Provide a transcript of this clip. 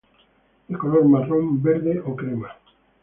De color marrón, verde o crema.